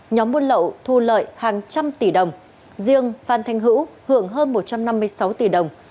nhóm buôn lậu thu lợi hàng trăm tỷ đồng riêng phan thanh hữu hưởng hơn một trăm năm mươi sáu tỷ đồng